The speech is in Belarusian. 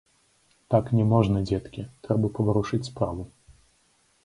Так не можна, дзеткі, трэба паварушыць справу.